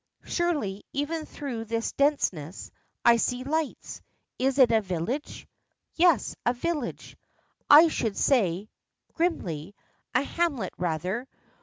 "Surely, even through this denseness, I see lights. Is it a village?" "Yes a village, I should say," grimly. "A hamlet rather.